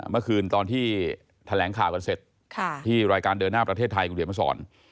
เมื่อคืนตอนที่แถลงข่าวกันเสร็จที่รายการเดินหน้าประเทศไทยคุณเขียนมาสอน